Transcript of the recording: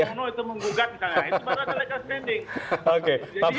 kalau kpu itu menggugat nah itu baru ada legal standing